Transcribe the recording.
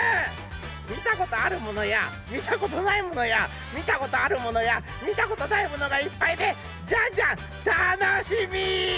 みたことあるものやみたことないものやみたことあるものやみたことないものがいっぱいでジャンジャンたのしみ！